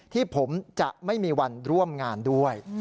ที่ผมจะไม่มีวันร่วมงานด้วย